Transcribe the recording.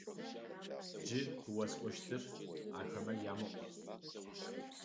Джы къыосӀощтхэр ахэмэ ямыӀу!